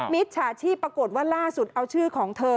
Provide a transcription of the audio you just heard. มิจฉาชีพปรากฏว่าล่าสุดเอาชื่อของเธอ